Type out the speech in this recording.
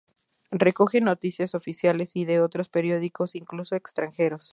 Recoge noticias oficiales y de otros periódicos, incluso extranjeros.